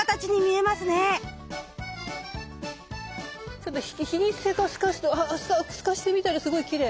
ちょっと日に透かすと透かしてみたらすごいきれい。